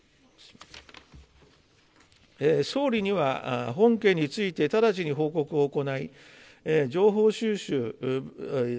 総理には、本件について直ちに報告を行い、情報収集